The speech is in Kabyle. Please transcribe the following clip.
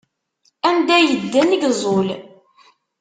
Anda yedden i yeẓẓul.